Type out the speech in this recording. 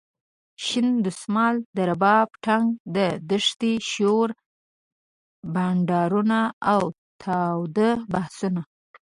شین دسمال ،د رباب ټنګ د دښتې شور ،بنډارونه اوتاوده بحثونه.